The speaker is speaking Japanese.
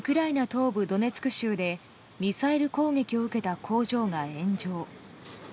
東部ドネツク州でミサイル攻撃を受けた工場が炎上。